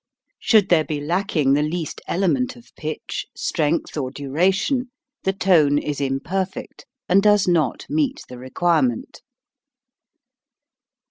Should there be lacking the least element of pitch, strength, or duration, the tone is imper fect and does not meet the requirement.